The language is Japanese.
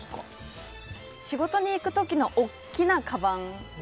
仕事に行く時の大きなかばん。